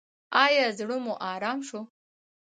ایا زړه مو ارام شو؟